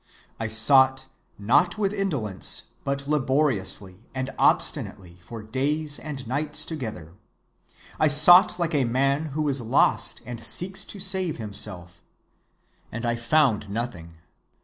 I sought, not with indolence, but laboriously and obstinately for days and nights together. I sought like a man who is lost and seeks to save himself,—and I found nothing.